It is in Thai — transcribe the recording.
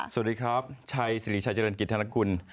สวัสดีครับชัยสิริชัยเจริญกิจธนกุล